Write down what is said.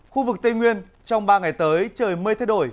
khu vực tây nguyên trong ba ngày tới trời mây thay đổi